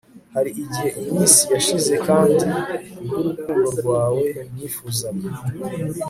hari igihe iminsi yashize kandi kubwurukundo rwawe nifuzaga